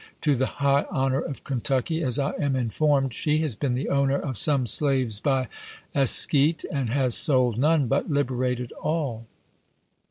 To the high honor of Kentucky, as I am informed, she has been the owner of some slaves by escheat, and has sold none, but liberated all.